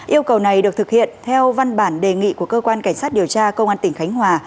yêu cầu này được thực hiện theo văn bản đề nghị của cơ quan cảnh sát điều tra công an tỉnh khánh hòa